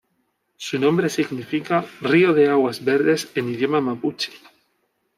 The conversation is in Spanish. Su nombre significa ""río de aguas verdes"" en idioma mapuche.